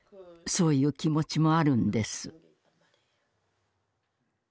そういう気持ちもあるんです。